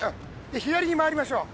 左に回りましょう。